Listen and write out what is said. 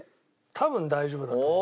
多分大丈夫だと思う。